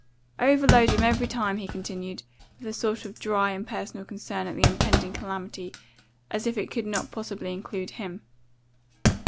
"Overload 'em every time," he continued, with a sort of dry, impersonal concern at the impending calamity, as if it could not possibly include him.